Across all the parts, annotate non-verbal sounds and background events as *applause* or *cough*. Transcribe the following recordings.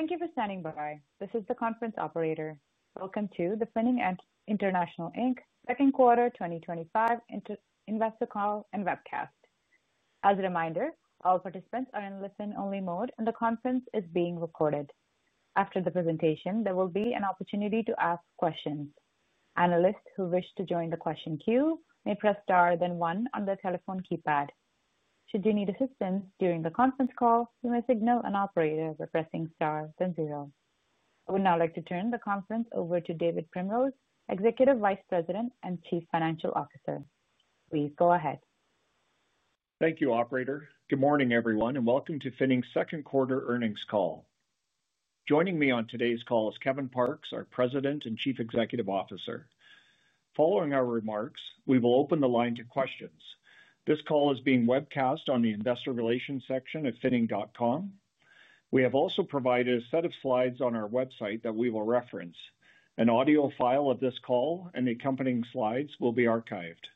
Thank you for standing by. This is the conference operator. Welcome to the Finning International Inc Second Quarter 2025 Investor Call and Webcast. As a reminder, all participants are in listen-only mode and the conference is being recorded. After the presentation, there will be an opportunity to ask questions. Analysts who wish to join the question queue may press star then one on the telephone keypad. Should you need assistance during the conference call, you may signal an operator by pressing star then zero. I would now like to turn the conference over to David Primrose, Executive Vice President and Chief Financial Officer. Please go ahead. Thank you, operator. Good morning everyone and welcome to Finning's Second Quarter Earnings Call. Joining me on today's call is Kevin Parkes, our President and Chief Executive Officer. Following our remarks, we will open the line to questions. This call is being webcast on the Investor Relations section of finning.com. We have also provided a set of slides on our website that we will reference. An audio file of this call and the accompanying slides will be archived.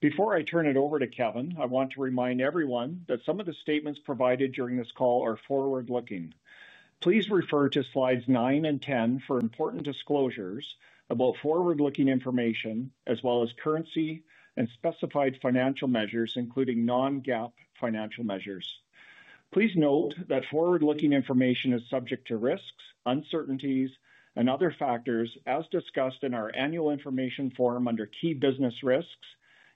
Before I turn it over to Kevin, I want to remind everyone that some of the statements provided during this call are forward looking. Please refer to slides 9 and 10 for important disclosures about forward looking information as well as currency and specified financial measures, including non-GAAP financial measures. Please note that forward looking information is subject to risks, uncertainties and other factors as discussed in our annual information form under Key Business Risks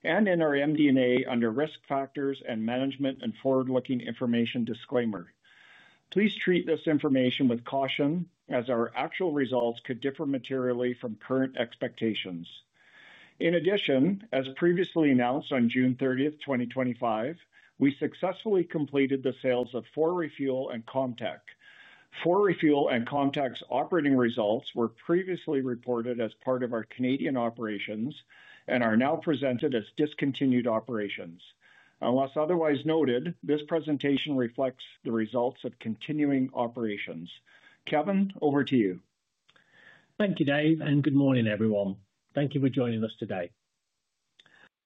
and in our MD&A under Risk Factors and Management and Forward Looking Information Disclaimer. Please treat this information with caution as our actual results could differ materially from current expectations. In addition, as previously announced, on June 30th, 2025, we successfully completed the sales of 4Refuel and ComTech. 4Refuel and ComTech operating results were previously reported as part of our Canadian operations and are now presented as discontinued operations. Unless otherwise noted, this presentation reflects the results of continuing operations. Kevin, over to you. Thank you, Dave, and good morning, everyone. Thank you for joining us today.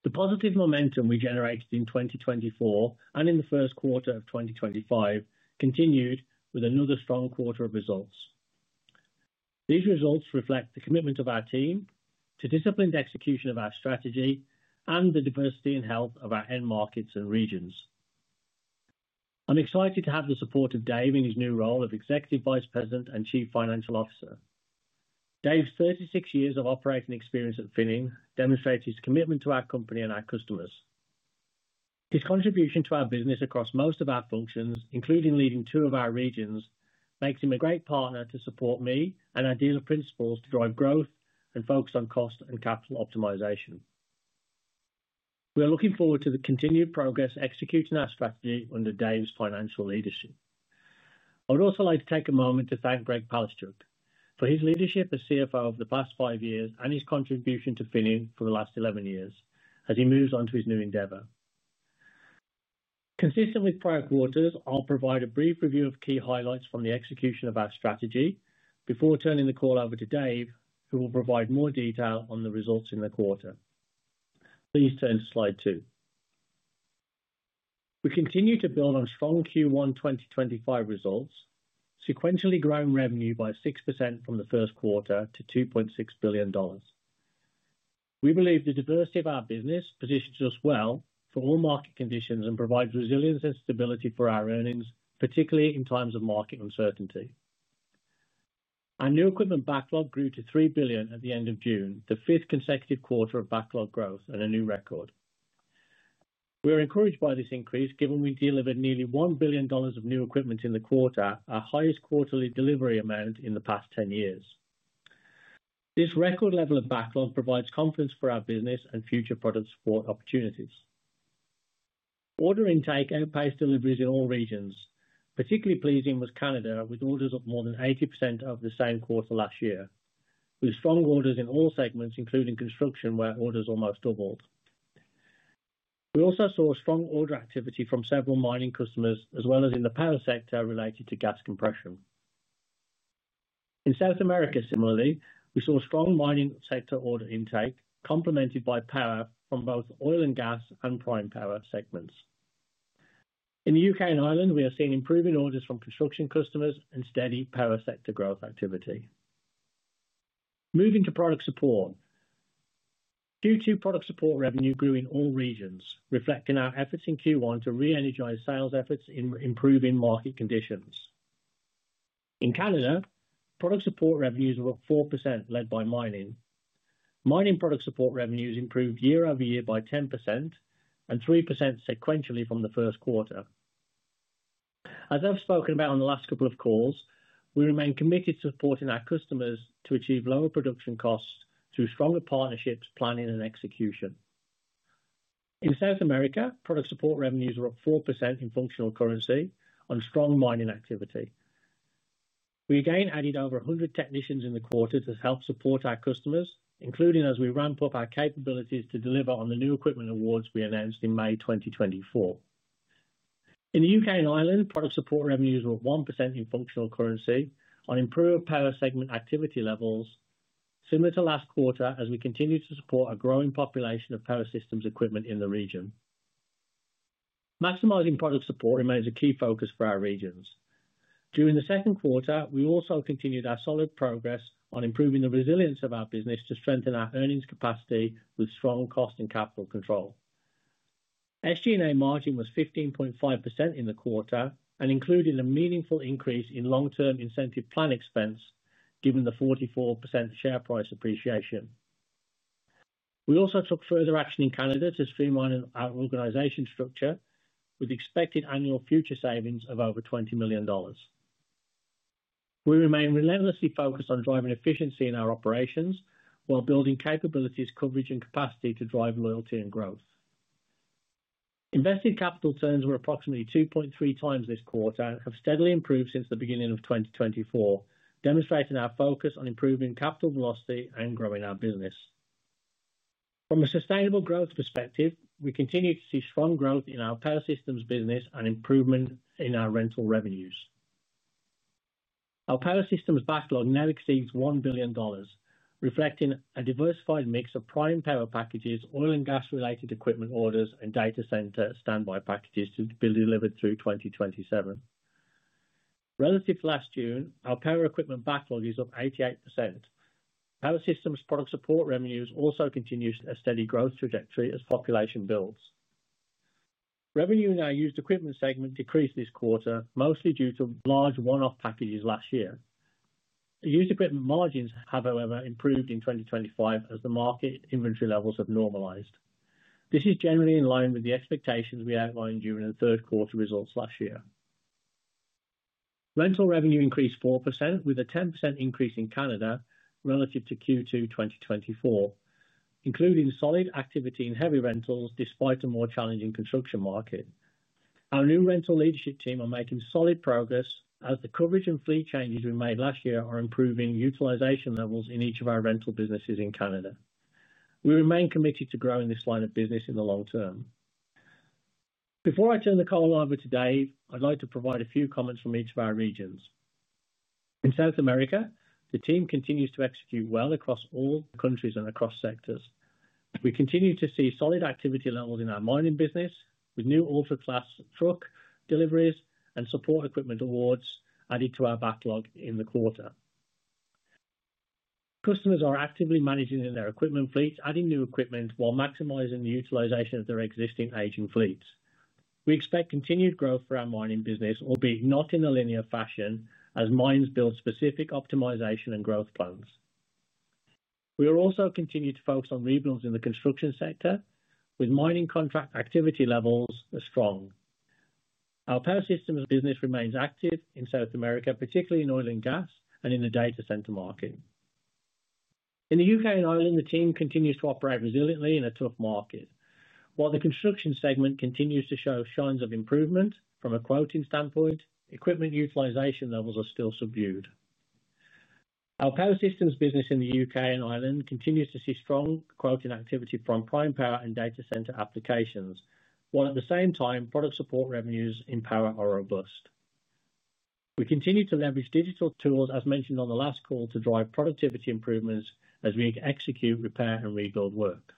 The positive momentum we generated in 2024 and in the first quarter of 2025 continued with another strong quarter of results. These results reflect the commitment of our team to disciplined execution of our strategy and the diversity and health of our end markets and regions. I'm excited to have the support of Dave in his new role of Executive Vice President and Chief Financial Officer. Dave's 36 years of operating experience at Finning demonstrates his commitment to our company and our customers. His contribution to our business across most of our functions, including leading two of our regions, makes him a great partner to support me and our dealer principals to drive growth and focus on cost and capital optimization. We are looking forward to the continued progress executing our strategy under Dave's financial leadership. I would also like to take a moment to thank Greg Palaschuk for his leadership as CFO over the past five years and his contribution to Finning for the last 11 years as he moves on to his new endeavor. Consistent with prior quarters, I'll provide a brief review of key highlights from the execution of our strategy before turning the call over to Dave, who will provide more detail on the results in the quarter. Please turn to slide 2. We continue to build on strong Q1 2025 results, sequentially growing revenue by 6% from the first quarter to $2.6 billion. We believe the diversity of our business positions us well for all market conditions and provides resilience and stability for our earnings, particularly in times of market uncertainty. Our new equipment backlog grew to $3 billion at the end of June, the fifth consecutive quarter of backlog growth and a new record. We are encouraged by this increase given we delivered nearly $1 billion of new equipment in the quarter, our highest quarterly delivery amount in the past 10 years. This record level of backlog provides confidence for our business and future product support opportunities. Order intake outpaced deliveries in all regions. Particularly pleasing was Canada, with orders up more than 80% over the same quarter last year, with strong orders in all segments including construction where orders almost doubled. We also saw strong order activity from several mining customers as well as in the power sector related to gas compression in South America. Similarly, we saw strong mining sector order intake complemented by power from both oil and gas and prime power segments. In the U.K. & Ireland, we are seeing improving orders from construction customers and steady power sector growth activity. Moving to product support, Q2 product support revenue grew in all regions, reflecting our efforts in Q1 to re-energize sales efforts in improving market conditions. In Canada, product support revenues were up 4%, led by mining. Mining product support revenues improved year-over-year by 10% and 3% sequentially from the first quarter. As I've spoken about on the last couple of calls, we remain committed to supporting our customers to achieve lower production costs through stronger partnerships, planning, and execution. In South America, product support revenues are up 4% in functional currency on strong mining activity. We again added over 100 technicians in the quarter to help support our customers, including as we ramp up our capabilities to deliver on the new equipment awards we announced in May 2024. In the U.K. & Ireland, product support revenues were up 1% in functional currency on improved power segment activity levels, similar to last quarter, as we continue to support a growing population of power systems equipment in the region. Maximizing product support remains a key focus for our regions. During the second quarter, we also continued our solid progress on improving the resilience of our business to strengthen our earnings capacity with strong cost and capital control. SG&A margin was 15.5% in the quarter and included a meaningful increase in long-term incentive plan expense given the 44% share price appreciation. We also took further action in Canada to streamline our organization structure with expected annual future savings of over $20 million. We remain relentlessly focused on driving efficiency in our operations while building capabilities, coverage, and capacity to drive loyalty and growth. Invested capital turns were approximately 2.3x this quarter and have steadily improved since the beginning of 2024, demonstrating our focus on improving capital velocity and growing our business. From a sustainable growth perspective, we continue to see strong growth in our power systems business and improvement in our rental revenues. Our power systems backlog now exceeds $1 billion, reflecting a diversified mix of prime power packages, oil and gas related equipment orders, and data center standby packages to be delivered through 2027. Relative to last June, our power equipment backlog is up 88%. Power systems product support revenues also continue a steady growth trajectory as population builds. Revenue in our used equipment segment decreased this quarter, mostly due to large one-off packages last year. Used equipment margins have, however, improved in 2025 as the market inventory levels have normalized. This is generally in line with the expectations we outlined during the third quarter results last year. Rental revenue increased 4% with a 10% increase in Canada relative to Q2 2024, including solid activity in heavy rentals. Despite a more challenging construction market, our new rental leadership team is making solid progress as the coverage and fleet changes we made last year are improving utilization levels in each of our rental businesses in Canada. We remain committed to growing this line of business in the long term. Before I turn the call over to Dave, I'd like to provide a few comments from each of our regions. In South America, the team continues to execute well across all countries and across sectors. We continue to see solid activity levels in our mining business with new ultra class truck deliveries and support equipment awards added to our backlog in the quarter. Customers are actively managing their equipment fleets, adding new equipment while maximizing the utilization of their existing aging fleets. We expect continued growth for our mining business, albeit not in a linear fashion as mines build specific optimization and growth plans. We are also continuing to focus on rebuilds in the construction sector, with mining contract activity levels strong. Our power systems business remains active in South America, particularly in oil and gas and in the data center market. In the U.K. & Ireland, the team continues to operate resiliently in a tough market while the construction segment continues to show signs of improvement from a quoting standpoint, equipment utilization levels are still subdued. Our power systems business in the U.K. & Ireland continues to see strong quoting activity from prime power and data center applications, while at the same time product support revenues in power are robust. We continue to leverage digital tools as mentioned on the last call to drive productivity improvements as we execute repair and rebuild work.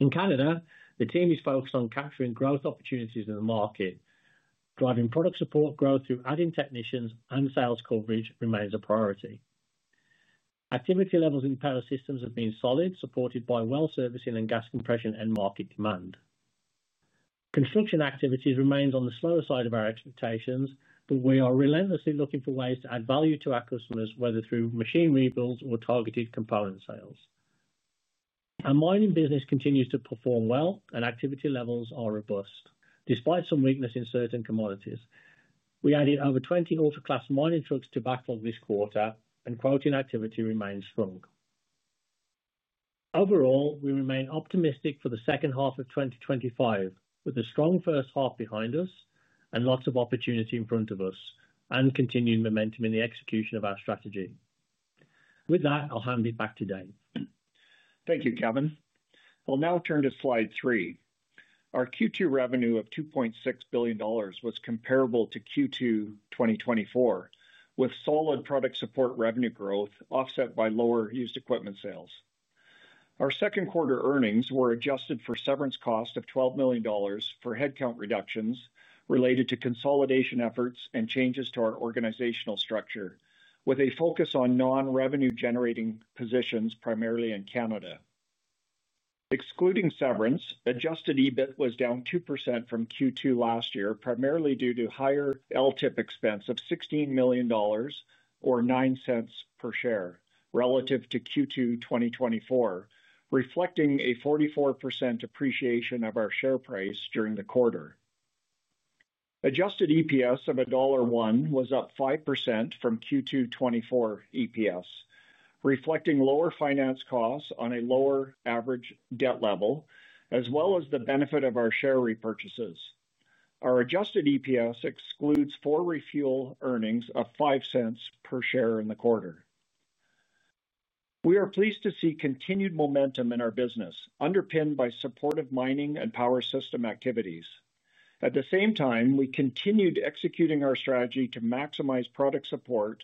In Canada the team is focused on capturing growth opportunities in the market. Driving product support growth through adding technicians and sales coverage remains a priority. Activity levels in power systems have been solid, supported by well servicing and gas compression end market demand. Construction activities remain on the slower side of our expectations, but we are relentlessly looking for ways to add value to our customers, whether through machine rebuilds or targeted component sales. Our mining business continues to perform well, and activity levels are robust despite some weakness in certain commodities. We added over 20 auto class mining trucks to backlog this quarter, and quoting activity remains strong. Overall, we remain optimistic for the second half of 2025, with a strong first half behind us and lots of opportunity in front of us and continued momentum in the execution of our strategy. With that, I'll hand it back to Dave. Thank you, Kevin. I'll now turn to slide 3. Our Q2 revenue of $2.6 billion was comparable to Q2 2024, with solid product support revenue growth offset by lower used equipment sales. Our second quarter earnings were adjusted for severance cost of $12 million for headcount reductions related to consolidation efforts and changes to our organizational structure with a focus on non-revenue generating positions, primarily in Canada. Excluding severance, adjusted EBIT was down 2% from Q2 last year, primarily due to higherLTIP expense of $16 million or $0.09 per share relative to Q2 2024, reflecting a 44% appreciation of our share price during the quarter. Adjusted EPS of $1.01 was up 5% from Q2 2024 EPS, reflecting lower finance costs on a lower average debt level as well as the benefit of our share repurchases. Our adjusted EPS excludes 4Refuel earnings of $0.05 per share in the quarter. We are pleased to see continued momentum in our business underpinned by supportive mining and power system activities. At the same time, we continued executing our strategy to maximize product support,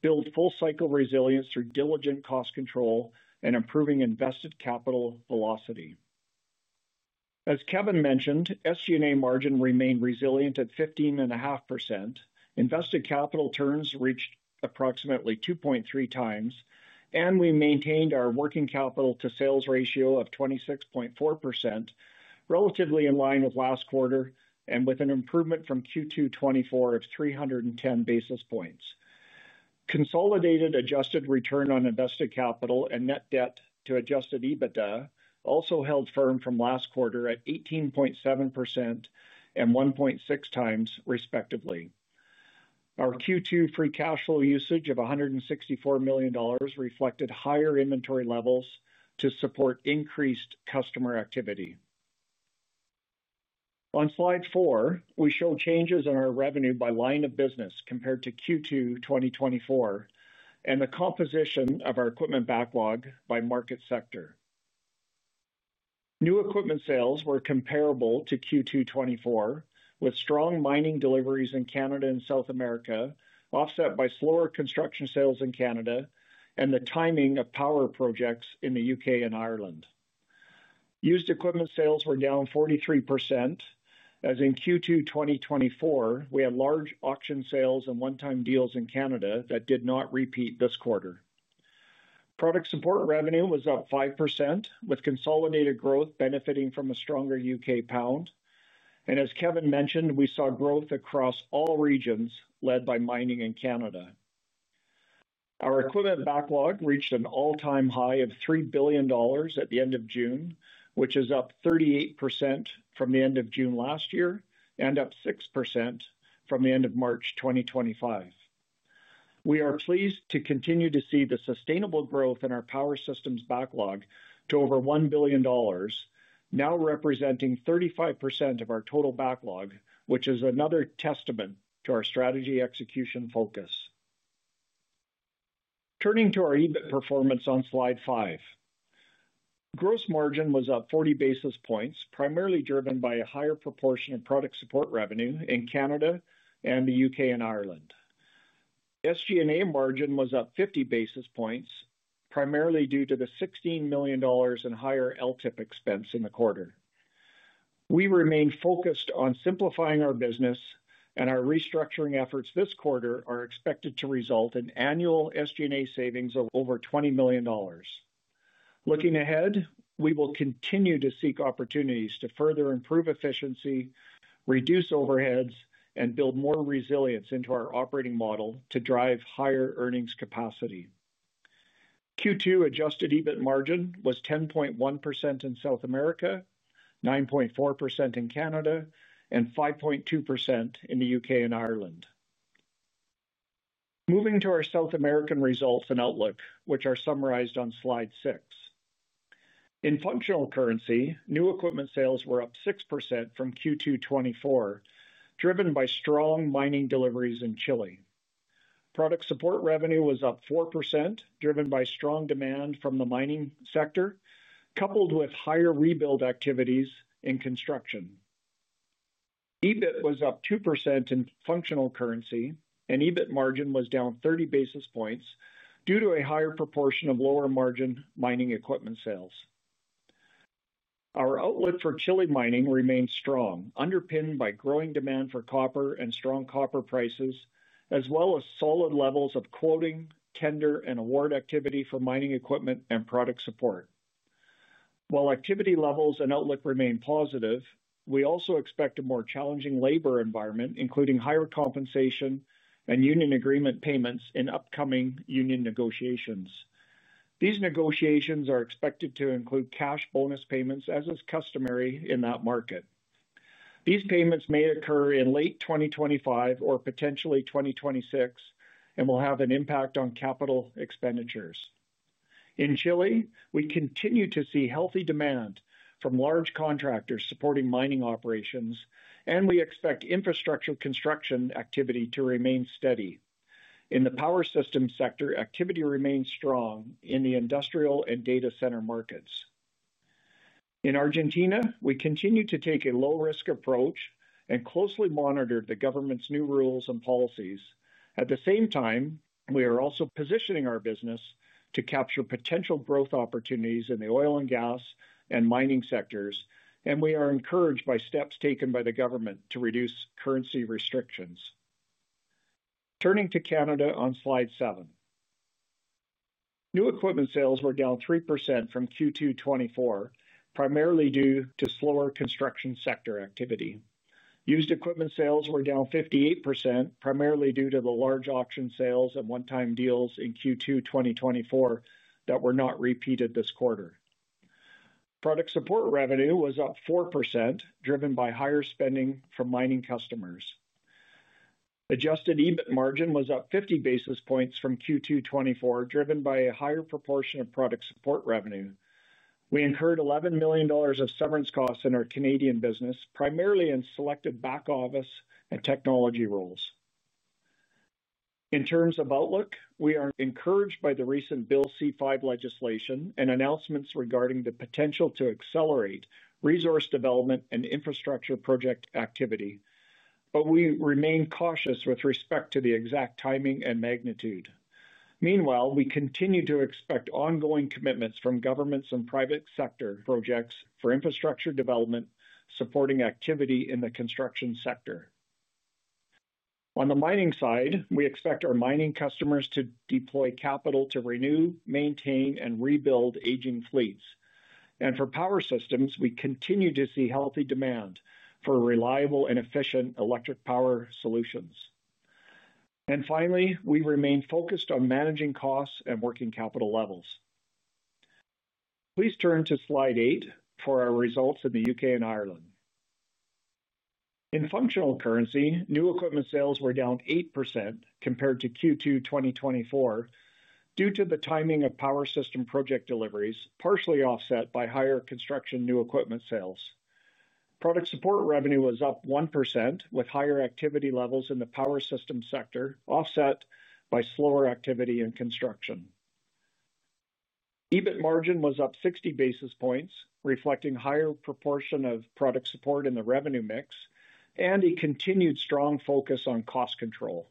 build full cycle resilience through diligent cost control, and improving invested capital velocity. As Kevin mentioned, SG&A margin remained resilient at 15.5%. Invested capital turns reached approximately 2.3x, and we maintained our working capital to sales ratio of 26.4%, relatively in line with last quarter and with an improvement from Q2 2024 of 310 basis points. Consolidated adjusted return on invested capital and net debt to adjusted EBITDA also held firm from last quarter at 18.7% and 1.6x, respectively. Our Q2 free cash flow usage of $164 million reflected higher inventory levels to support increased customer activity. On slide 4, we show changes in our revenue by line of business compared to Q2 2024 and the composition of our equipment backlog by market sector. New equipment sales were comparable to Q2 2024, with strong mining deliveries in Canada and South America offset by slower construction sales in Canada and the timing of power projects in the U.K. & Ireland. Used equipment sales were down 43%. As in Q2 2024, we had large auction sales and one-time deals in Canada that did not repeat this quarter. Product support revenue was up 5%, with consolidated growth benefiting from a stronger U.K. pound, and as Kevin mentioned, we saw growth across all regions led by mining in Canada. Our equipment backlog reached an all-time high of $3 billion at the end of June, which is up 38% from the end of June last year and up 6% from the end of March 2025. We are pleased to continue to see the sustainable growth in our power systems backlog to over $1 billion, now representing 35% of our total backlog, which is another testament to our strategy execution focus. Turning to our EBIT performance on slide 5, gross margin was up 40 basis points, primarily driven by a higher proportion of product support revenue in Canada and the U.K. & Ireland. SG&A margin was up 50 basis points, primarily due to the $16 million and higher LTIP expense in the quarter. We remain focused on simplifying our business, and our restructuring efforts this quarter are expected to result in annual SG&A savings of over $20 million. Looking ahead, we will continue to seek opportunities to further improve efficiency, reduce overheads, and build more resilience into our operating model to drive higher earnings capacity. Q2 adjusted EBIT margin was 10.1% in South America, 9.4% in Canada, and 5.2% in the U.K. & Ireland. Moving to our South American results and outlook, which are summarized on slide 6, in functional currency, new equipment sales were up 6% from Q2 2024, driven by strong mining deliveries in Chile. Product support revenue was up 4%, driven by strong demand from the mining sector coupled with higher rebuild activities in construction. EBIT was up 2% in functional currency, and EBIT margin was down 30 basis points due to a higher proportion of lower margin mining equipment sales. Our outlook for Chile mining remains strong, underpinned by growing demand for copper and strong copper prices, as well as solid levels of quoting, tender, and award activity for mining equipment and product support. While activity levels and outlook remain positive, we also expect a more challenging labor environment, including higher compensation and union agreement payments in upcoming union negotiations. These negotiations are expected to include cash bonus payments, as is customary in that market. These payments may occur in late 2025 or potentially 2026 and will have an impact on capital expenditures. In Chile, we continue to see healthy demand from large contractors supporting mining operations, and we expect infrastructure construction activity to remain steady. In the power systems sector, activity remains strong in the industrial and data center markets. In Argentina, we continue to take a low-risk approach and closely monitor the government's new rules and policies. At the same time, we are also positioning our business to capture potential growth opportunities in the oil and gas and mining sectors, and we are encouraged by steps taken by the government to reduce currency restrictions. Turning to Canada on slide 7. New equipment sales were down 3% from Q2 2024, primarily due to slower construction sector activity. Used equipment sales were down 58%, primarily due to the large auction sales of one-time deals in Q2 2024 that were not repeated this quarter. Product support revenue was up 4%, driven by higher spending from mining customers. Adjusted EBIT margin was up 50 basis points from Q2 2024, driven by a higher proportion of product support revenue. We incurred $11 million of severance costs in our Canadian business, primarily in selective back office and technology roles. In terms of outlook, we are encouraged by the recent Bill C-5 Legislation and Announcements regarding the potential to accelerate resource development and infrastructure project activity, but we remain cautious with respect to the exact timing and magnitude. Meanwhile, we continue to expect ongoing commitments from governments and private sector projects for infrastructure development supporting activity in the construction sector. On the mining side, we expect our mining customers to deploy capital to renew, maintain, and rebuild aging fleets, and for power systems, we continue to see healthy demand for reliable and efficient electric power solutions. Finally, we remain focused on managing costs and working capital levels. Please turn to slide 8 for our results in the U.K. & Ireland. In functional currency, new equipment sales were down 8% compared to Q2 2024 due to the timing of power system project deliveries, partially offset by higher construction new equipment sales. Product support revenue was up 1% with higher activity levels in the power system sector offset by slower activity in construction. EBIT margin was up 60 basis points, reflecting higher proportion of product support in the revenue mix and a continued strong focus on cost control.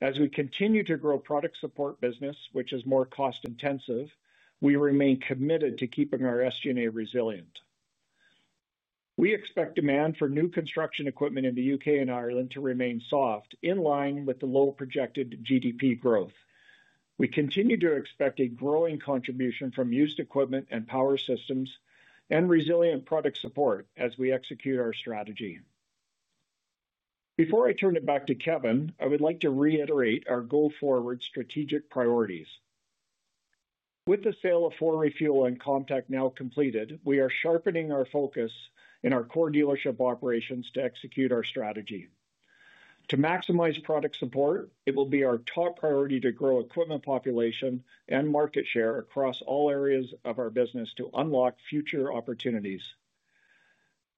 As we continue to grow product support business, which is more cost intensive, we remain committed to keeping our SG&A resilient. We expect demand for new construction equipment in the U.K. & Ireland to remain soft in line with the low projected GDP growth. We continue to expect a growing contribution from used equipment and power systems and resilient product support as we execute our strategy. Before I turn it back to Kevin, I would like to reiterate our go-forward strategic priorities. With the sale of 4Refuel and ComTech now completed, we are sharpening our focus in our core dealership operations to execute our strategy. To maximize product support. It will be our top priority to grow equipment population and market share across all areas of our business to unlock future opportunities.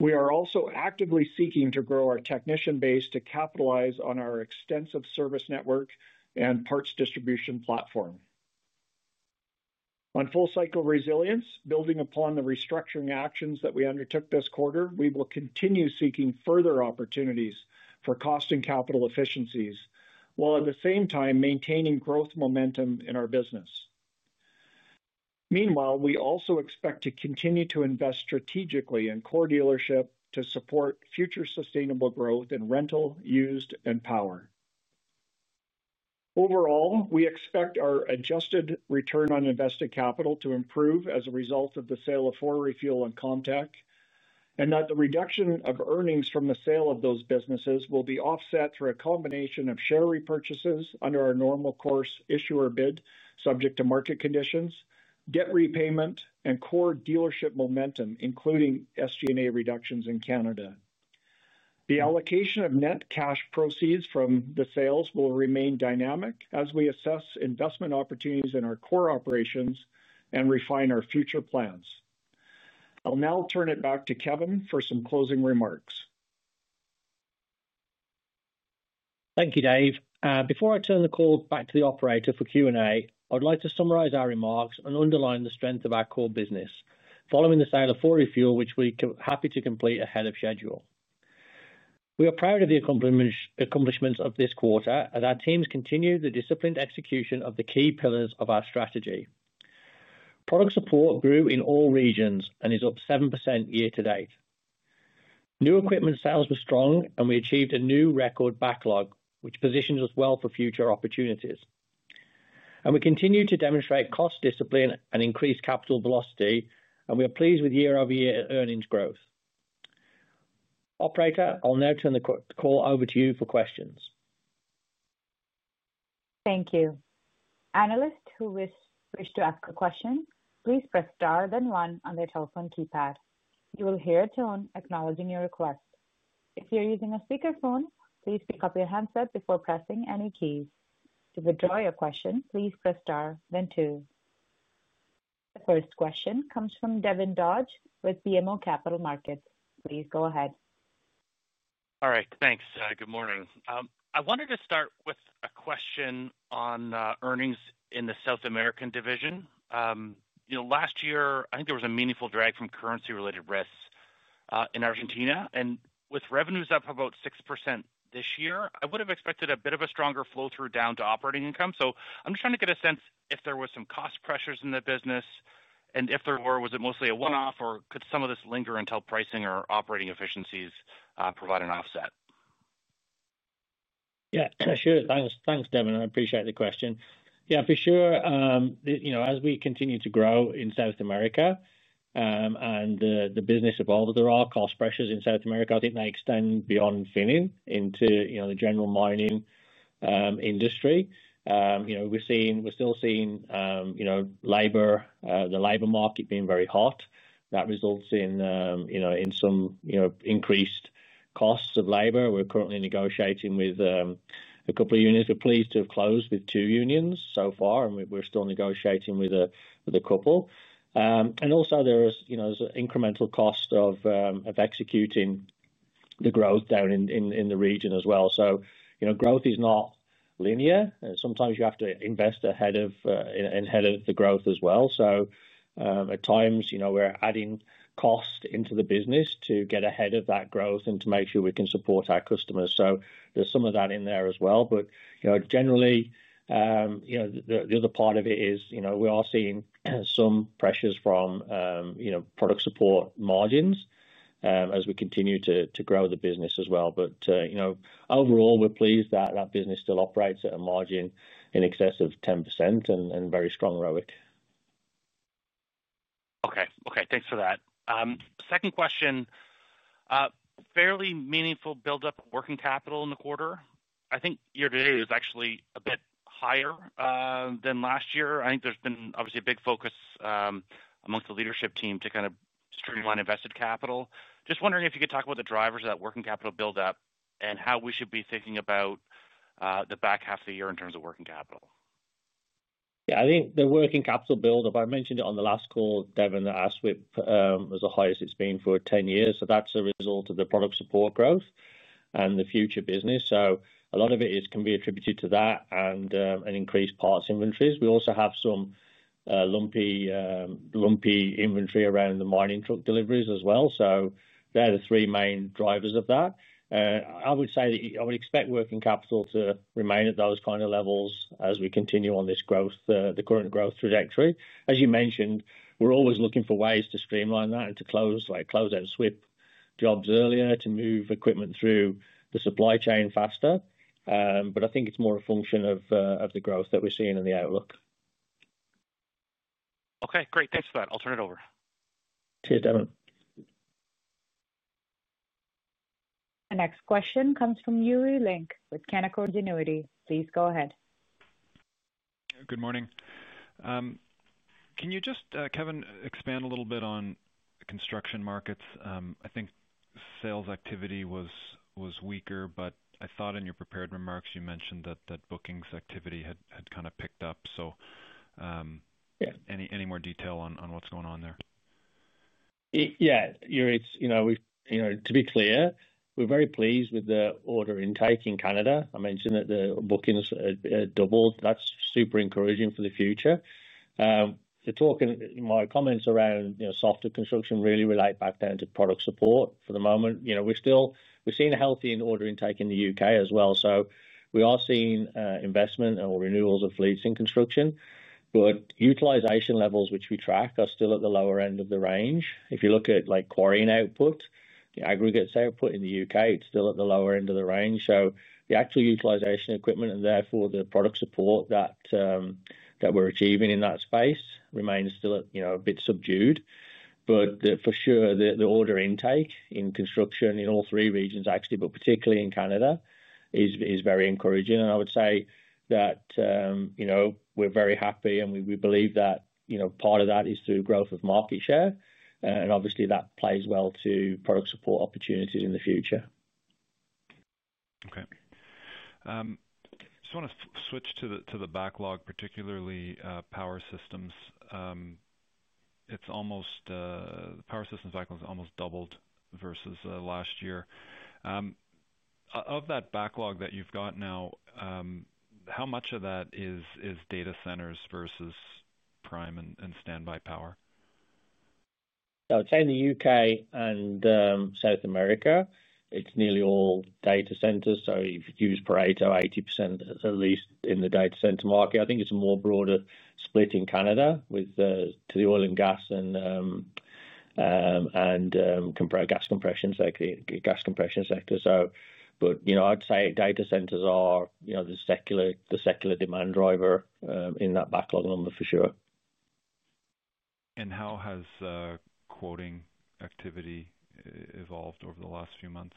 We are also actively seeking to grow our technician base to capitalize on our extensive service network and parts distribution platform. On full cycle resilience, building upon the restructuring actions that we undertook this quarter, we will continue seeking further opportunities for cost and capital efficiencies while at the same time maintaining growth momentum in our business. Meanwhile, we also expect to continue to invest strategically in core dealership to support future sustainable growth in rental, used, and power. Overall, we expect our adjusted return on invested capital to improve as a result of the sale of 4Refuel and ComTech and that the reduction of earnings from the sale of those businesses will be offset through a combination of share repurchases under our normal course issuer bid subject to market conditions, debt repayment, and core dealership momentum, including SG&A reductions in Canada. The allocation of net cash proceeds from the sales will remain dynamic as we assess investment opportunities in our core operations and refine our future plans. I'll now turn it back to Kevin for some closing remarks. Thank you, Dave. Before I turn the call back to the operator for Q&A, I'd like to summarize our remarks and underline the strength of our core business following the sale of 4Refuel, which we are happy to complete ahead of schedule. We are proud of the accomplishments of this quarter as our teams continue the disciplined execution of the key pillars of our strategy. Product support grew in all regions and is up 7% year-to-date. New equipment sales were strong, and we achieved a new record backlog, which positions us well for future opportunities. We continue to demonstrate cost discipline and increased capital velocity, and we are pleased with year-over-year earnings growth. Operator, I'll now turn the call over to you for questions. Thank you. Analysts who wish to ask a question, please press star then one on their telephone keypad. You will hear a tone acknowledging your request. If you're using a speakerphone, please pick up your handset before pressing any keys. To withdraw your question, please press star then two. The first question comes from Devin Dodge with BMO Capital Markets. Please go ahead. All right, thanks. Good morning. I wanted to start with a question on earnings in the South America division. Last year I think there was a meaningful drag from currency-related risks. in Argentina, and with revenues up About 6% this year, I would have expected a bit of a stronger flow through down to operating income. I'm trying to get a sense if there were some cost pressures in the business, and if there were, was it mostly a one-off or could some of this linger until pricing or operating efficiencies provide an offset? Yeah, sure. Thanks. Thanks, Devon. I appreciate the question. Yeah, for sure. As we continue to grow in South America and the business evolves, there are cost pressures in South America. I think they extend beyond Finning into the general mining industry. We're still seeing the labor market being very hot. That results in some increased costs of labor. We're currently negotiating with a couple of unions. We're pleased to have closed with two unions so far and we're still negotiating with a couple. There is also incremental cost of executing the growth down in the region as well. Growth is not linear. Sometimes you have to invest ahead of the growth as well. At times, we're adding cost into the business to get ahead of that growth and to make sure we can support our customers. There's some of that in there as well. Generally, the other part of it is we are seeing some pressures from product support margins as we continue to grow the business as well. Overall, we're pleased that that business still operates at a margin in excess of 10% and very strong ROIC. OK, OK, thanks for that. Second question. Fairly meaningful buildup of working capital in the quarter. I think year to date is actually a bit higher than last year. I think there's been obviously a big focus amongst the leadership team to kind of streamline invested capital. Just wondering if you could talk about the drivers of that working capital buildup and how we should be thinking about the back half of the year in terms of working capital. Yeah, I think the working capital buildup, I mentioned it on the last call. Devon asked with as the highest it's been for 10 years. That's a result of the product support growth and the future business. A lot of it can be attributed to that and an increased parts inventories. We also have some lumpy inventory around the mining truck deliveries as well. They're the three main drivers of that. I would say that I would expect working capital to remain at those kind of levels as we continue on this growth. The current growth trajectory, as you mentioned, we're always looking for ways to streamline that and to close out jobs earlier to move equipment through the supply chain faster. I think it's more a function of the growth that we're seeing in the outlook. Okay, great. Thanks for that. I'll turn it over. *audio distortion* Devon. Our next question comes from Yuri Link with Canaccord Genuity. Please go ahead. Good morning. Can you, Kevin, expand a little bit on construction markets? I think sales activity was weaker, but I thought in your prepared remarks you mentioned that bookings activity had kind of picked up. Any more detail on what's going on there? Yeah, to be clear, we're very pleased with the order intake in Canada. I mentioned that the bookings doubled. That's super encouraging for the future. My comments around software construction really relate back down to product support for the moment. We've seen a healthy order intake in the U.K. as well. We are seeing investment or renewals of fleets in construction, but utilization levels, which we track, are still at the lower end of the range. If you look at quarrying output, the aggregates output in the U.K. it's still at the lower end of the range. The actual utilization of equipment and therefore the product support that we're achieving in that space remains still a bit subdued. For sure, the order intake in construction in all three regions, actually, but particularly in Canada, is very encouraging, and I would say that we're very happy and we believe that part of that is through growth of market share, and obviously that plays well to product support opportunities in the future. Okay, I want to switch to the backlog, particularly power systems. The power systems backlog has almost doubled versus last year. Of that backlog that you've got now, how much of that is data centers versus prime and standby power? I'd say in the U.K. and South America, it's nearly all data centers. You use Pareto, 80% at least in the data center market. I think it's a more broader split in Canada to the oil and gas and gas compression sector. I'd say data centers are the secular demand driver in that backlog number for sure. How has quoting activity evolved over the last few months?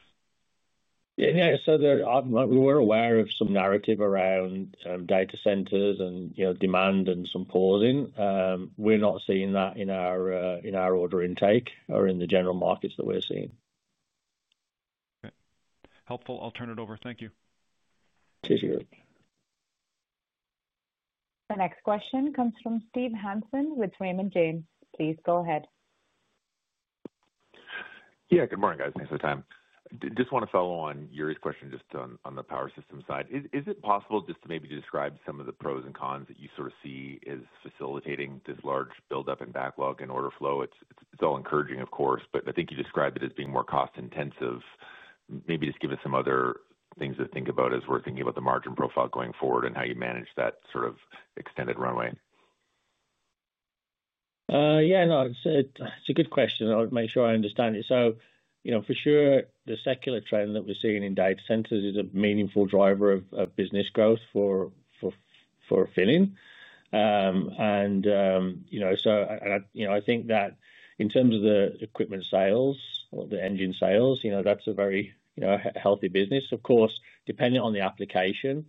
We were aware of some narrative around data centers and demand and some pausing. We're not seeing that in our order intake or in the general market the way of seeing. Helpful. I'll turn it over. Thank you. The next question comes from Steve Hansen with Raymond James. Please go ahead. Good morning guys. Thanks for the time. Just want to follow on Yuri's question on the power system side. Is it possible to maybe describe some of the pros and cons that you see as facilitating this large buildup in backlog and order flow? It's all encouraging, of course, but I think you described it as being more cost intensive. Maybe give us some other things to think about as we're thinking about the margin profile going forward and how you manage that extended runway. Yeah, it's a good question. I'll make sure I understand it. For sure, the secular trend that we're seeing in data centers is a meaningful driver of business growth for Finning and I think that in terms of the equipment sales, the engine sales, that's a very healthy business. Of course, depending on the application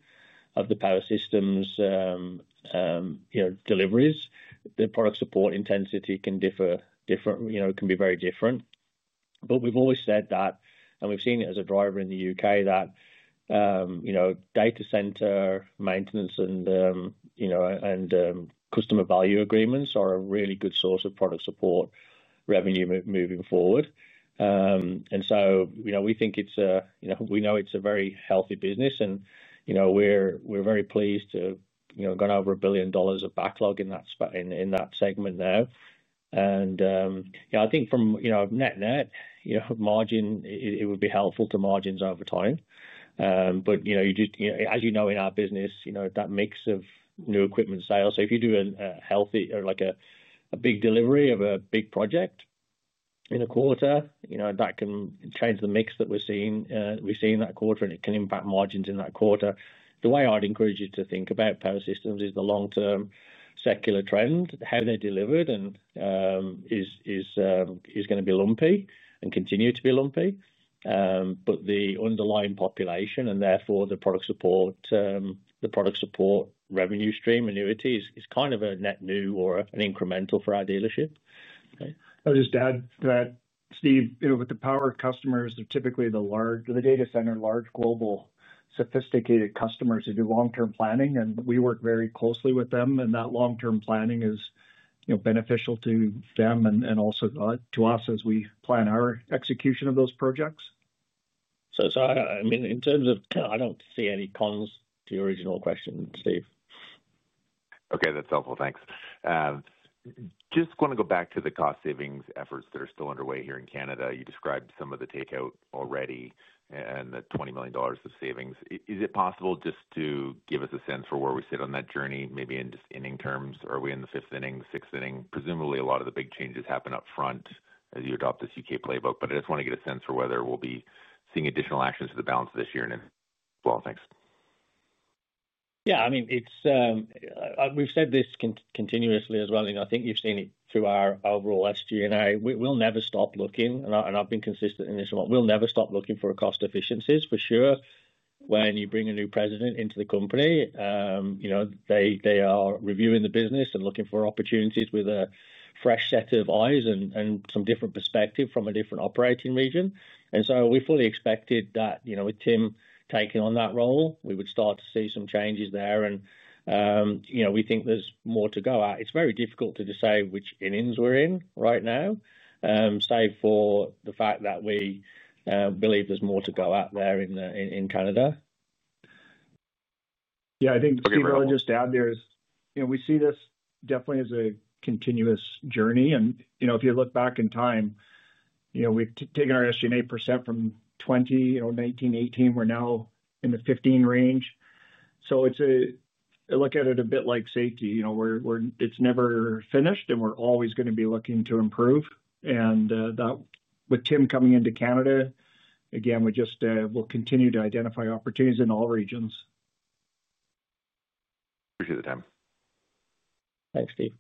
of the power systems deliveries, the product support intensity can differ. It can be very different. We've always said that, and we've seen it as a driver in the U.K. that data center maintenance and customer value agreements are a really good source of product support revenue moving forward. We think it's a very healthy business, and we're very pleased to have gone over $1 billion of backlog in that segment now. I think from net, net margin, it would be helpful to margins over time. In our business, that mix of new equipment sales, if you do a healthy or a big delivery of a big project in a quarter, that can change the mix that we're seeing. We've seen that quarter, and it can impact margins in that quarter. The way I'd encourage you to think about power systems is the long-term secular trend, how they're delivered, and it is going to be lumpy and continue to be lumpy. The underlying population and therefore the product support, the product support revenue stream annuities, is kind of a net new or an incremental for our dealership. I'll just add that, Steve, with the power customers, they're typically the large, the data center, large global sophisticated customers who do long-term planning. We work very closely with them, and that long-term planning is beneficial to them and also to us as we plan our execution of those projects. In terms of, I don't see any consistent, to your original question, Steve. Okay, that's helpful, thanks. Just want to go back to the cost savings efforts that are still underway here in Canada. You described some of the takeout already and the $20 million of savings. Is it possible just to give us a sense for where we sit on that journey, maybe in inning terms? Are we in the fifth inning, sixth inning? Presumably a lot of the big changes happen up front as you adopt this U.K. playbook, but I just want to get a sense for whether we'll be seeing additional actions for the balance of this year. Thanks. I mean it's, we've said this continuously as well, and I think you've seen it through our overall SG&A. We'll never stop looking, and I've been consistent in this. We'll never stop looking for cost efficiencies for sure. When you bring a new president into the company, they are reviewing the business and looking for opportunities with a fresh set of eyes and some different perspective from a different operating region. We fully expected that with Tim taking on that role, we would start to see some changes there. We think there's more to go out. It's very difficult to say which innings we're in right now, save for the fact that we believe there's more to go out there in Canada. Yeah, I think I'll just add there is, you know, we see this definitely as a continuous journey and, you know, if you look back in time, you know, we've taken our SG&A margin from 20%, 19%, 18%. We're now in the 15% range. It's a, I look at it a bit like safety, you know, it's never finished and we're always going to be looking to improve, and that with Tim coming into Canada again, we just will continue to identify opportunities in all regions. Appreciate the time. Thanks, Steve.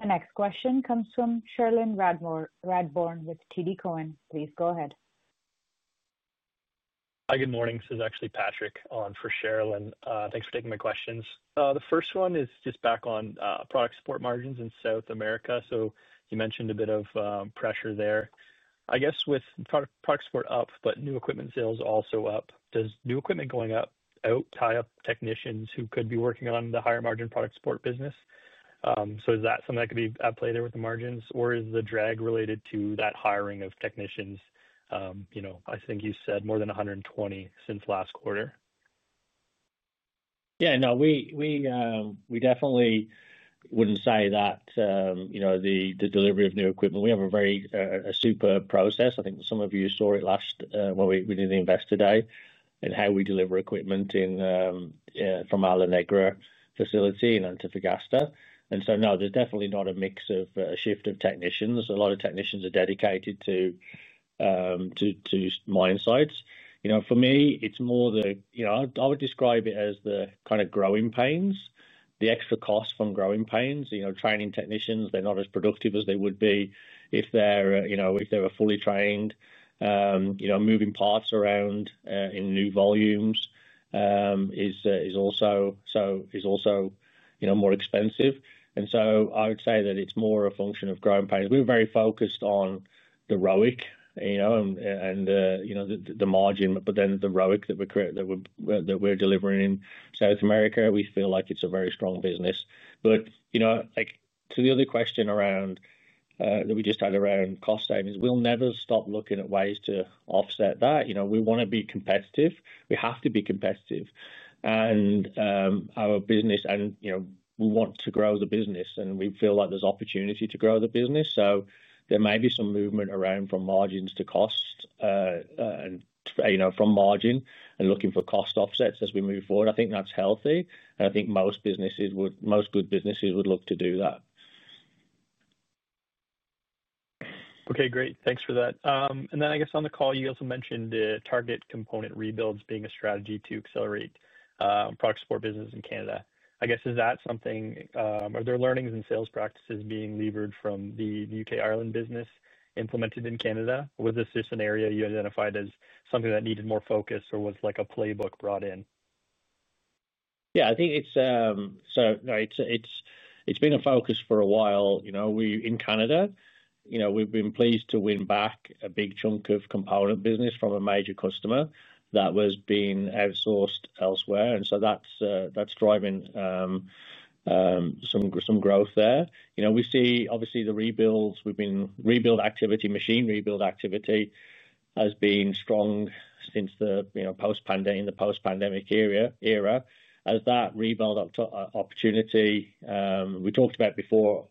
The next question comes from Cherilyn Radbourne with TD Cowen. Please go ahead. Hi, good morning. This is actually Patrick on for Cherilyn. Thanks for taking my questions. The first one is just back on. Product support margins in South America. You mentioned a bit of pressure there, I guess with product support up, but new equipment sales also up. Does new equipment going up tie up technicians who could be working on the higher margin product support business? Is that something that could be played there with the margins or is the drag related to that hiring of technicians? I think you said more than 120 since last quarter. Yeah, no, we definitely wouldn't say that. The delivery of new equipment, we have a very, a super process. I think some of you saw it last when we did the Investor Day and how we deliver equipment in from our La Negra facility in Antofagasta. There is definitely not a mix or a shift of technicians. A lot of technicians are dedicated to mine sites. For me, it's more the, I would describe it as the kind of growing pains. The extra cost from growing pains, training technicians, they're not as productive as they would be if they were fully trained. Moving parts around in new volumes is also more expensive. I would say that it's more a function of growing pains. We're very focused on the ROIC and the margin. The ROIC that we're delivering in South America, we feel like it's a very strong business. To the other question around cost savings, we'll never stop looking at ways to offset that. We want to be competitive. We have to be competitive in our business and we want to grow the business and we feel like there's opportunity to grow the business. There may be some movement around from margins to cost and from margin and looking for cost offsets as we move forward. I think that's healthy and I think most businesses would, most good businesses would look to do that. Okay, great. Thanks for that. On the call you also mentioned target component rebuilds being a strategy to accelerate product support business in Canada. Is that something, are there learnings and sales practices being levered from the U.K. & Ireland business implemented in Canada? Was this just an area you identified as something that needed more focus or was a playbook brought in? I think it's, no, it's been a focus for a while. In Canada, we've been pleased to win back a big chunk of component business from a major customer that was being outsourced elsewhere. That's driving some growth there. We see obviously the rebuilds. Machine rebuild activity has been strong in the post pandemic era, as that rebuild opportunity we talked about before,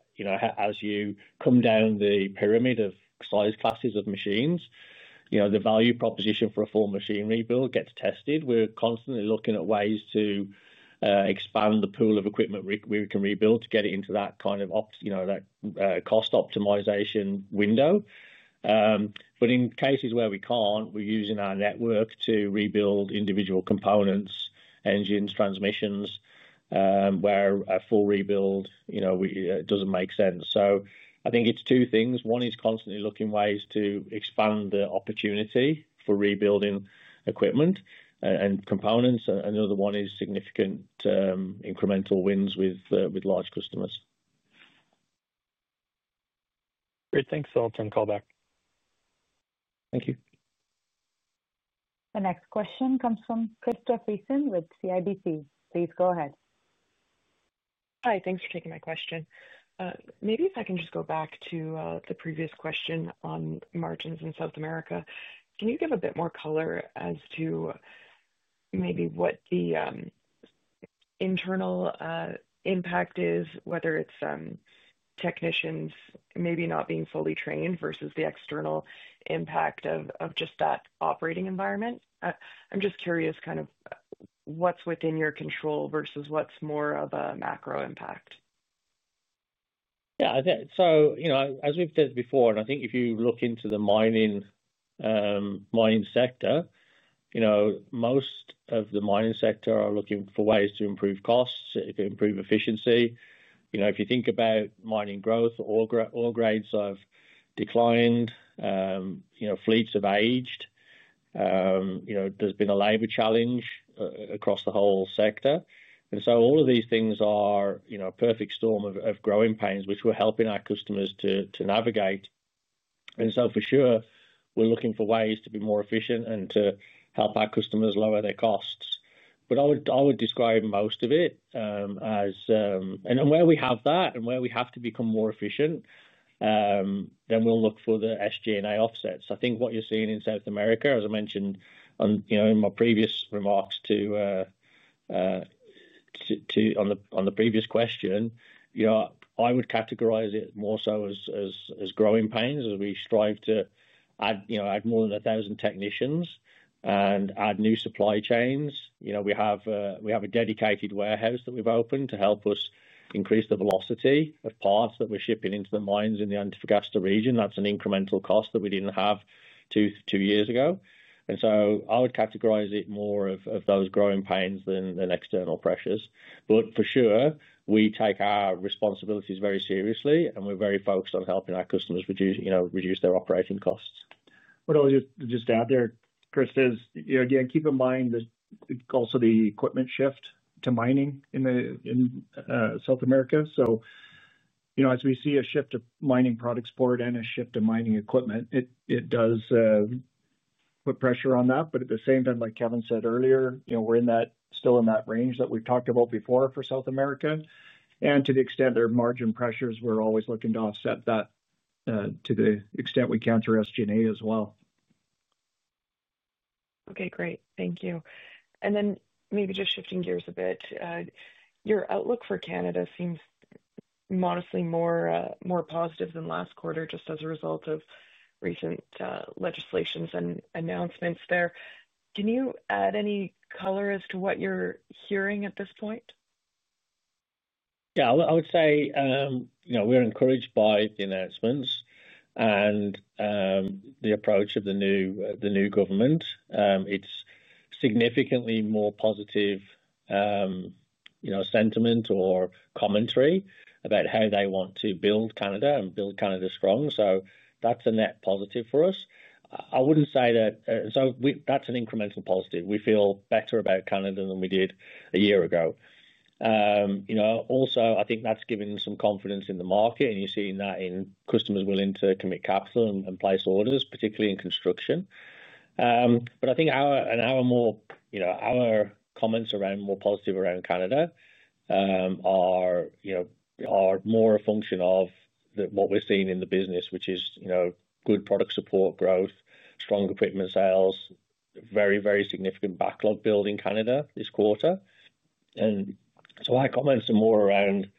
as you come down the pyramid of size classes of machines, the value proposition for a full machine rebuild gets tested. We're constantly looking at ways to expand the pool of equipment we can rebuild to get it into that kind of cost optimization window. In cases where we can't, we're using our network to rebuild individual components, engines, transmissions, where a full rebuild doesn't make sense. I think it's two things. One is constantly looking for ways to expand the opportunity for rebuilding equipment and components. Another one is significant incremental wins with large customers. Great, thanks. I'll turn the call back. Thank you. The next question comes from Krista Friesen with CIBC. Pease go ahead. Hi. Thanks for taking my question. Maybe if I can just go back to the previous question on margins in South America. Can you give a bit more color as to maybe what the internal impact is, whether it's technicians maybe not being fully trained versus the external impact of just that operating environment? I'm just curious, kind of what's within your control versus what's more of a macro impact. Yeah. As we've said before, and I think if you look into the mining sector, most of the mining sector are looking for ways to improve costs, improve efficiency. If you think about mining growth, ore grades have declined. Fleets have aged. There's been a labor challenge across the whole sector. All of these things are a perfect storm of growing pains, which we're helping our customers to navigate. For sure, we're looking for ways to be more efficient and to help our customers lower their costs. I would describe most of it as, and where we have that and where we have to become more efficient, then we'll look for the SG&A offsets. I think what you're seeing in South America, as I mentioned in my previous remarks on the previous question, I would categorize it more so as growing pains. As we strive to add more than a thousand technicians and add new supply chains, you know, we have a dedicated warehouse that we've opened to help us increase the velocity of parts that we're shipping into the mines in the Antofagasta region. That's an incremental cost that we didn't have two years ago. I would categorize it more of those growing pains than external pressures. For sure we take our responsibilities very seriously and we're very focused on helping our customers reduce their operating costs. What I'll just add theqre, Krista, again, keep in mind that also the equipment shift to mining in South America. As we see a shift of mining products poured and a shift in mining equipment, it does put pressure on that. At the same time, like Kevin said earlier, we're still in that range that we've talked about before for South America. To the extent there are margin pressures, we're always looking to offset that to the extent we counter SG&A as well. Okay, great. Thank you. Maybe just shifting gears a bit, your outlook for Canada seems modestly more positive than last quarter just as a result of recent legislations and announcements there. Can you add any color as to what you're hearing at this point? Yeah, I would say we're encouraged by the announcements and the approach of the new government. It's significantly more positive sentiment or commentary about how they want to build Canada and build Canada strong. That's a net positive for us. We feel better about Canada than we did a year ago. I think that's given some confidence in the market and you're seeing that in customers willing to commit capital and place orders, particularly in construction. I think our more positive comments around Canada are more a function of what we're seeing in the business, which is good product support growth, strong equipment sales, very significant backlog build in Canada this quarter. Our comments are more around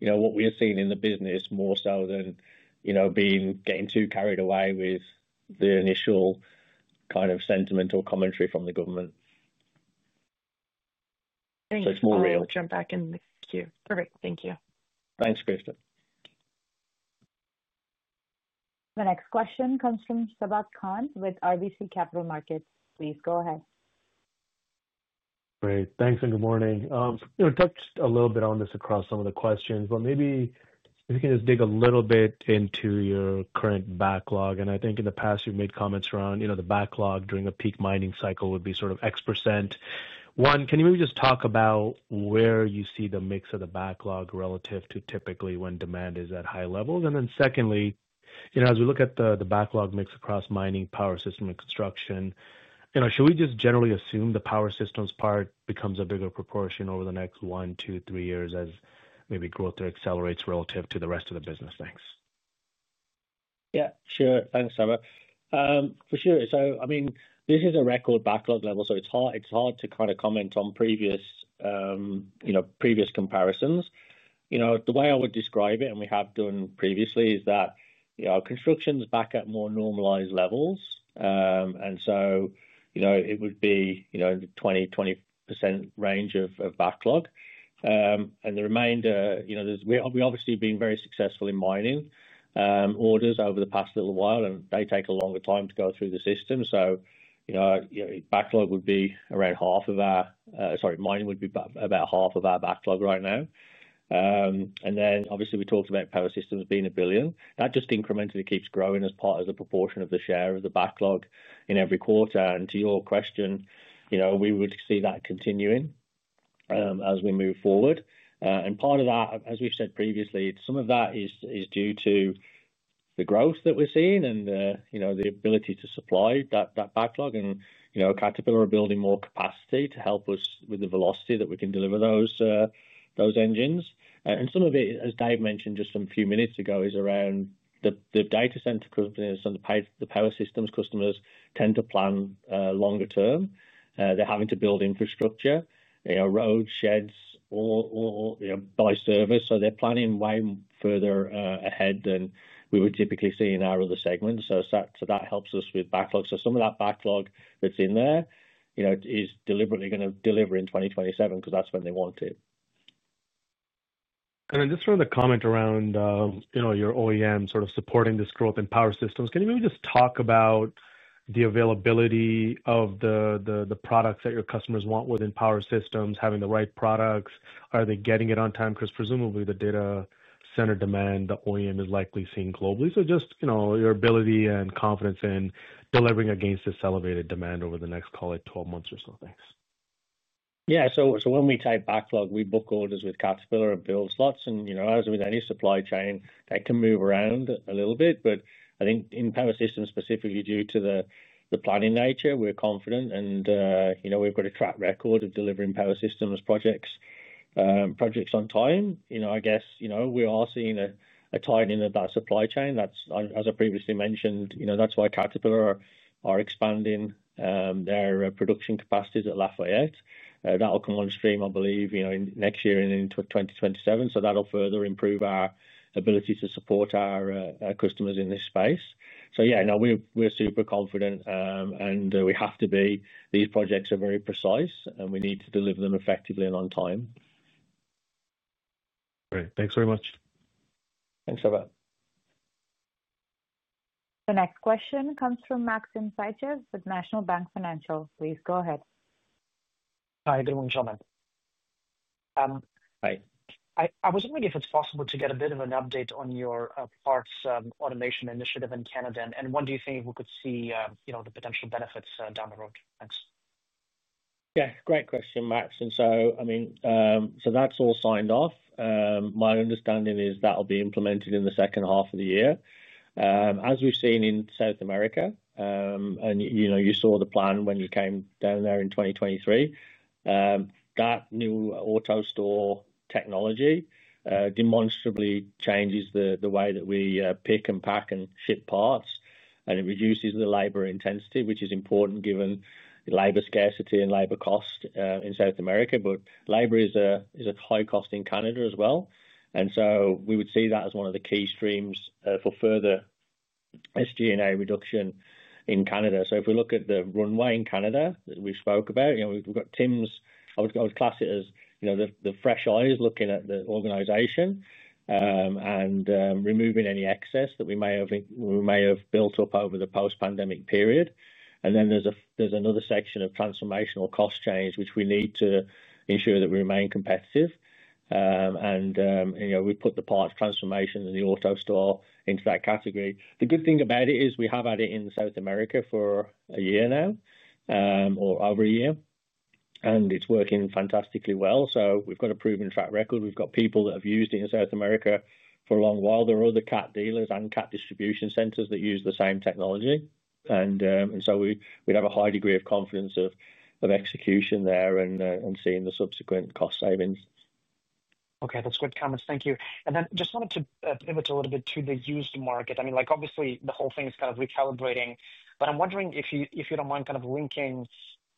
what we have seen in the business, more so than getting too carried away with the initial kind of sentimental commentary from the government. Thank you Jump back in the queue. Perfect. Thank you. Thanks Krista. The next question comes from Shabaq Khan with RBC Capital Markets. Please go ahead. Great, thanks. Good morning. Touched a little bit on this across some of the questions, but maybe if you can just dig a little bit into your current backlog. I think in the past you've made comments around the backlog during a peak mining cycle would be sort of X percent. One, can you just talk about where you see the mix of the backlog relative to typically when demand is at high levels? Secondly, as we look at the backlog mix across mining, power system, and construction, should we just generally assume the power systems part becomes a bigger proportion over the next one to three years as maybe growth accelerates relative to the rest of the business? Thanks. Yeah, sure. Thanks for sure. This is a record backlog level. It's hard to kind of comment on previous comparisons. The way I would describe it, and we have done previously, is that construction is back at more normalized levels. It would be in the 20% range of backlog and the remainder, we obviously have been very successful in mining orders over the past little while and they take a longer time to go through the system. Backlog would be around half of our, sorry, mining would be about half of our backlog right now. We talked about power systems being a billion that just incrementally keeps growing as a proportion of the share of the backlog in every quarter. To your question, we would see that continuing as we move forward. Part of that, as we've said previously, some of that is due to the growth that we're seeing and the ability to supply that backlog. Caterpillar are building more capacity to help us with the velocity that we can deliver those engines. Some of it, as David Primrose mentioned just a few minutes ago, is around the data center companies. The power systems customers tend to plan longer-term. They're having to build infrastructure, roads, sheds, or buy service. They're planning way further ahead than we would typically see in our other segments. That helps us with backlog. Some of that backlog that's in there is deliberately going to deliver in 2027 because that's when they want it. I just want to comment around your OEM sort of supporting this growth in power systems. Can you maybe just talk about the availability of the products that your customers want within power systems? Having the right products, are they getting it on time? Because presumably the data center demand the OEM is likely seeing globally. Just your ability and confidence in delivering against this elevated demand over the next, call it 12 months or so. Thanks. Yeah. When we type backlog, we book orders with Caterpillar and Build slots, and as with any supply chain, that can move around a little bit. I think in power systems, specifically due to the planning nature, we're confident and we've got a track record of delivering power systems projects on time. I guess we are seeing a tightening of that supply chain, as I previously mentioned. That's why Caterpillar are expanding their production capacities at Lafayette. That will come on stream, I believe, next year and into 2027. That will further improve our ability to support our customers in this space. Yeah, we're super confident and we have to be. These projects are very precise and we need to deliver them effectively and on time. Great, thanks very much. Thanks a lot. The next question comes from Max Sytchev with National Bank Financial. Please go ahead. Hi, good morning, gentlemen. Hi. I was wondering if it's possible to get a bit of an update on your parts automation initiative in Canada, and when do you think we could see the potential benefits down the road? Thanks. Yeah, great question, Max. That's all signed off. My understanding is that will be implemented in the second half of the year as we've seen in South America, and you know, you saw the plan when you came down there in 2023. That new auto store technology demonstrably changes the way that we pick and pack and ship parts, and it reduces the labor intensity, which is important given labor scarcity and labor cost in South America. Labor is a high cost in Canada as well, and we would see that as one of the key streams for further SG&A reduction in Canada. If we look at the runway in Canada that we spoke about, we've got Tim's. I would class it as the fresh eyes looking at the organization and removing any excess that we may have built up over the post-pandemic period. There's another section of transformational cost change which we need to ensure that we remain competitive. We put the parts transformation and the auto store into that category. The good thing about it is we have had it in South America for a year now or over a year, and it's working fantastically well. We've got a proven track record, we've got people that have used it in South America for a long while. There are other Cat dealers and Cat distribution centers that use the same technology, and we'd have a high degree of confidence of execution there and seeing the subsequent cost savings. Okay, that's good comments. Thank you. I just wanted to pivot a little bit to the used market. Obviously the whole thing is kind of recalibrating, but I'm wondering if you don't mind kind of linking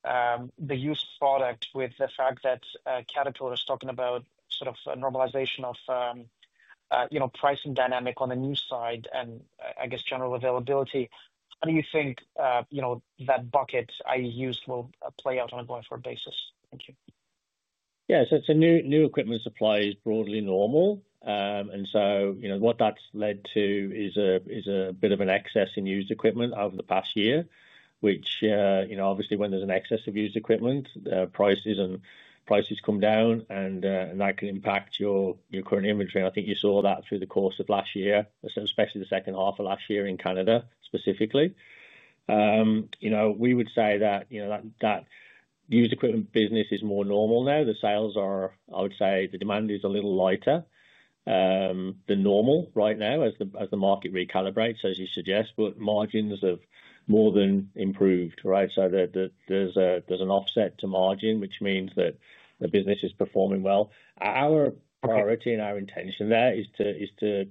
the used product with the fact that Caterpillar is talking about sort of normalization of, you know, pricing dynamic on the new side and I guess general availability. How do you think that bucket of used will play out on a going forward basis? Thank you. Yeah, so new equipment supply is broadly normal. What that's led to is a bit of an excess in used equipment over the past year, which obviously, when there's an excess of used equipment, prices come down and that can impact your current inventory. I think you saw that through the course of last year, especially the second half of last year in Canada specifically. We would say that used equipment business is more normal now. The sales are, I would say, the demand is a little lighter than normal right now as the market recalibrates, as you suggest. Margins have more than improved, right. There's an offset to margin, which means that the business is performing well. Our priority and our intention there is to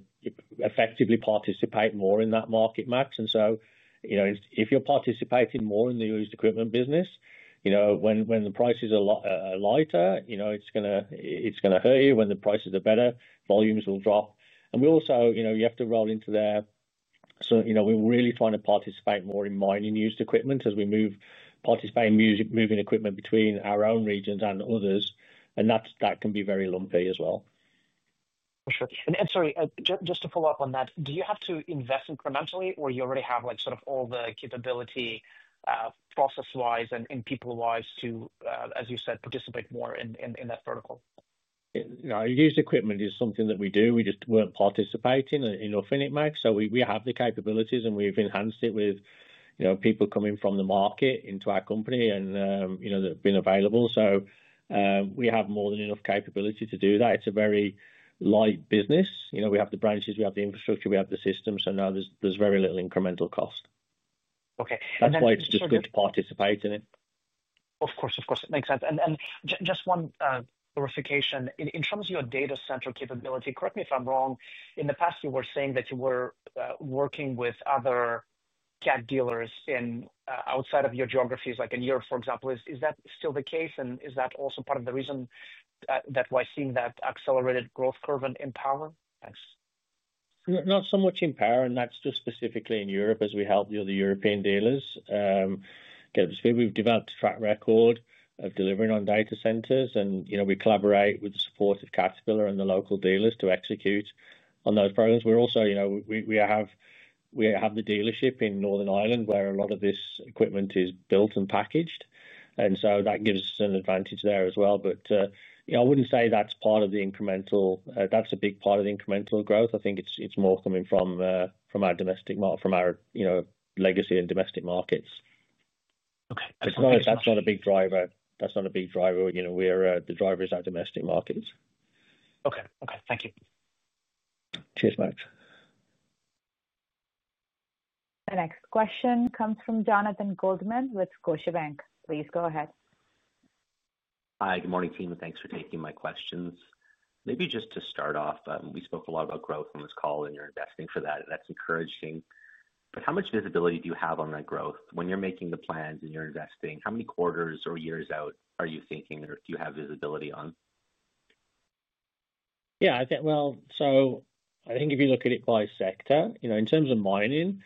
effectively participate more in that market. If you're participating more in the used equipment business, when the prices are lighter, you know it's going to hurt you. When the prices are better, volumes will drop. We also, you know, you have to roll into there. We're really trying to participate more in mining used equipment as we move, participate in moving equipment between our own regions and others. That can be very lumpy as well. For sure Sorry, just to follow up on that, do you have to invest incrementally, or do you already have all the capability process wise and people wise to, as you said, participate more in that protocol? Used equipment is something that we do. We just weren't participating enough in it, Max. We have the capabilities and we've enhanced it with people coming from the market into our company and they've been available. We have more than enough capability to do that. It's a very light business. We have the branches, we have the infrastructure, we have the system. There is very little incremental cost. That's why it's just good to participate in it. Of course, it makes sense. Just one clarification. In terms of your data center capability, correct me if I'm wrong, in the past you were saying that you were working with other Cat dealers outside of your geographies, like in Europe, for example. Is that still the case, and is that also part of the reason that we're seeing that accelerated growth curve in power? Not so much in power, and that's just specifically in Europe. As we help the other European dealers get, we've developed a track record of delivering on data centers, and you know, we collaborate with the support of Caterpillar and the local dealers to execute on those programs. We're also, you know, we have the dealership in Northern Ireland where a lot of this equipment is built and packaged, and that gives us an advantage there as well. I wouldn't say that's part of the incremental. That's not a big part of the incremental growth. I think it's more coming from our legacy and domestic markets. That's not a big driver. The driver is our domestic markets. Okay. Okay. Thank you. Cheers, mate. The next question comes from Jonathan Goldman with Scotiabank. Please go ahead. Hi, good morning team and thanks for taking my questions. Maybe just to start off, we spoke a lot about growth on this call and you're investing for that. That's encouraging. How much visibility do you have on that growth when you're making the plans and you're investing? How many quarters or years out are you thinking or do you have visibility on? I think if you look at it by sector, in terms of mining,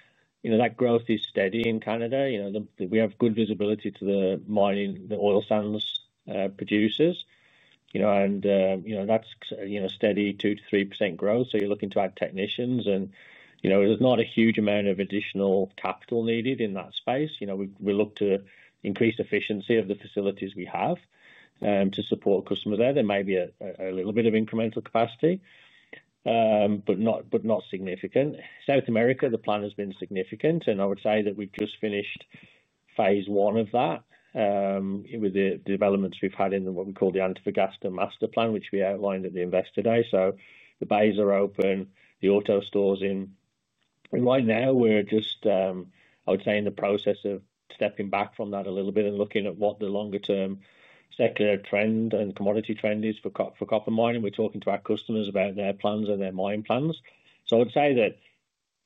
that growth is steady in Canada. We have good visibility to the mining, the oil sands producers, and that's steady 2%, 3% growth. You're looking to add technicians and there's not a huge amount of additional capital needed in that space. We look to increase efficiency of the facilities we have to support customers there. There may be a little bit of incremental capacity, but not significant. South America, the plan has been significant and I would say that we've just finished phase one of that with the developments we've had in what we call the anthropogaster master plan, which we outlined at the Investor Day. The bays are open, the auto store is in right now. I would say we're in the process of stepping back from that a little bit and looking at what the longer-term secular trend and commodity trend is for copper mining. We're talking to our customers about their plans and their mine funds. I'd say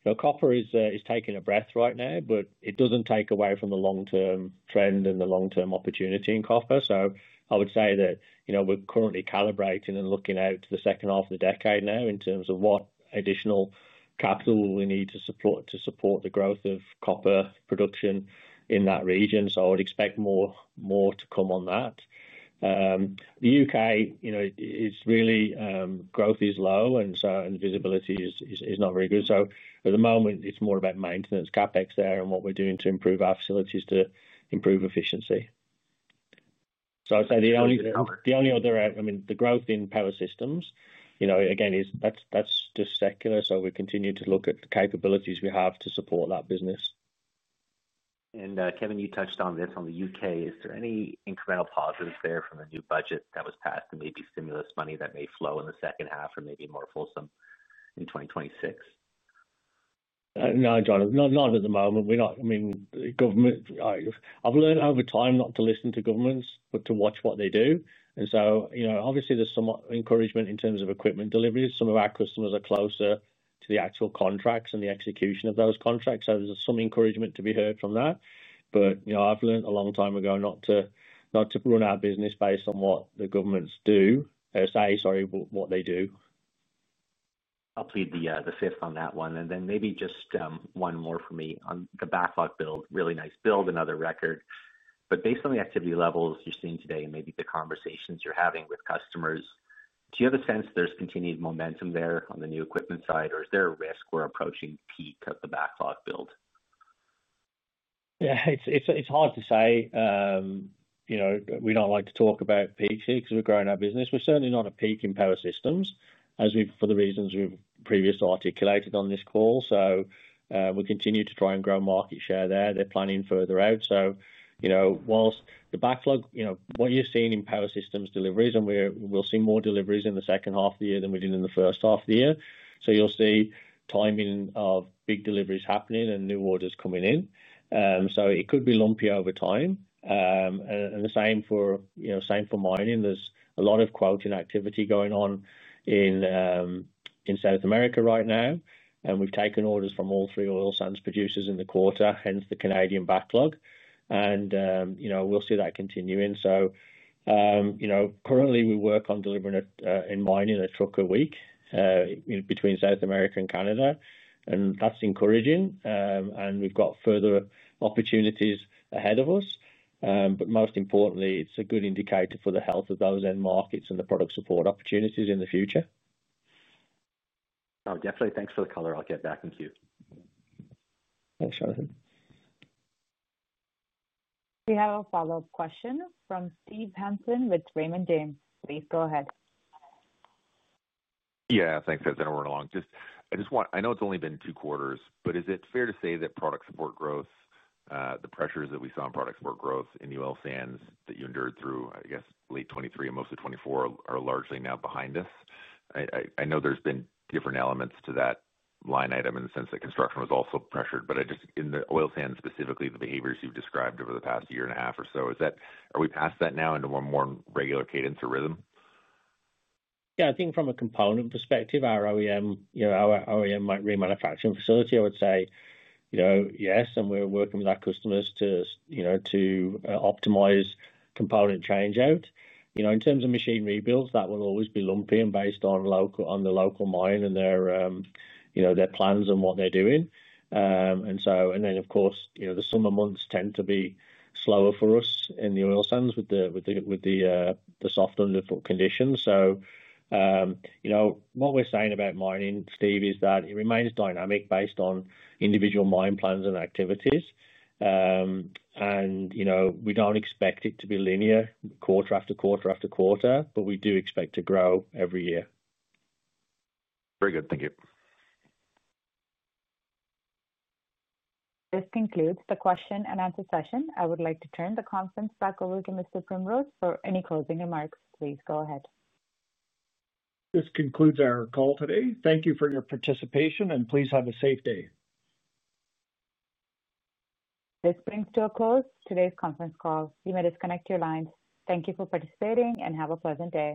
that copper is taking a breath right now, but it doesn't take away from the long-term trend and the longterm opportunity in copper. I would say that we're currently calibrating and looking out to the second half of the decade now in terms of what additional capital we need to support the growth of copper production in that region. I would expect more to come on that. The U.K. growth is low and visibility is not very good. At the moment it's more about maintenance CapEx there and what we're doing to improve our facilities, to improve efficiency. I'd say the only other, I mean the growth in power systems, again, that's just secular. We continue to look at the capabilities we have to support that business. Kevin, you touched on this on the U.K. Is there any incremental positives there from a new budget that was passed and maybe stimulus money that may flow in the second half or maybe more fulsome in 2026? No, John, not at the moment. We're not. I mean, government, I've learned over time not to listen to governments but to watch what they do. Obviously, there's some encouragement in terms of equipment deliveries. Some of our customers are closer to the actual contracts and the execution of those contracts, so there's some encouragement to be heard from that. I've learned a long time ago not to run our business based on what the governments do, sorry, what they do. I'll plead the fifth on that one. Maybe just one more for me on the backlog build. Really nice build, another record. Based on the activity levels you're seeing today and maybe the conversations you're having with customers, do you have a sense there's continued momentum there on the new equipment side, or is there a risk we're approaching peak of the backlog build? It's hard to say. We don't like to talk about peaks here because we're growing our business. We're certainly not at a peak in power systems for the reasons we've previously articulated on this call. We continue to try and grow market share there. They're planning further out. Whilst the backlog, what you're seeing in power systems deliveries, we'll see more deliveries in the second half of the year than we did in the first half of the year. You'll see timing of big deliveries happening and new orders coming in, so it could be lumpy over time. The same for mining. There's a lot of quoting activity going on in South America right now, and we've taken orders from all three oil sands producers in the quarter, hence the Canadian backlog. We'll see that continuing. Currently, we work on delivering in mining a truck a week between South America and Canada, and that's encouraging, and we've got further opportunities ahead of us. Most importantly, it's a good indicator for the health of those end markets and the product support opportunities in the future. Oh, definitely. Thanks for the color. I'll get back in queue. Thanks, Jonathan. We have a follow-up question from Steve Hansen with Raymond James. Please go ahead. Yeah, thanks everyone. I know it's only been two quarters, but is it fair to say that product support growth, the pressures that we saw in product support growth in oil sands that you endured through, I guess, late 2023 and most of 2024, are largely now behind us? I know there's been different elements to that line item in the sense that construction was also pressured. I just, in the oil sands specifically, the behaviors you've described over the past year and a half or so, is that, are we past that now into one more regular cadence or rhythm? Yeah, I think from a component perspective, our OEM remanufacturing facility, I would say yes. We're working with our customers to optimize component change out in terms of machine rebuilds. That will always be lumpy and based on the local mine and their plans and what they're doing. Of course, the summer months tend to be slower for us in the oil sands with the soft underfoot conditions. What we're saying about mining, Steve, is that it remains dynamic based on individual mine plans and activities. We don't expect it to be linear quarter after quarter after quarter, but we do expect to grow every year. Very good, thank you. This concludes the question-and-answer session. I would like to turn the conference back over to Mr. Primrose for any closing remarks. Please go ahead. This concludes our call today. Thank you for your participation and please have a safe day. This brings to a close today's conference call. You may disconnect your lines. Thank you for participating and have a pleasant day.